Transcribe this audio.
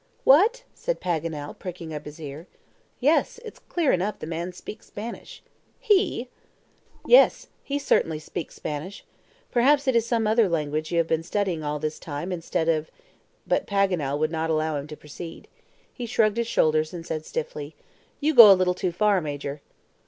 "What!" said Paganel, pricking up his ear. "Yes, it's clear enough the man speaks Spanish." "He!" "Yes, he certainly speaks Spanish. Perhaps it is some other language you have been studying all this time instead of " But Paganel would not allow him to proceed. He shrugged his shoulders, and said stiffly, "You go a little too far, Major."